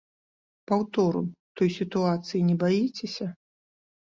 Паўтору той сітуацыі не баіцеся?